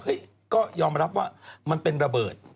ก็ยอมรับว่ามันเป็นระเบิด